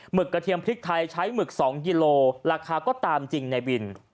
กระเทียมพริกไทยใช้หมึก๒กิโลราคาก็ตามจริงในวิน